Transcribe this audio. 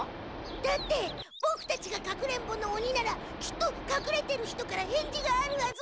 だってボクたちがかくれんぼのオニならきっとかくれてる人から返事があるはず。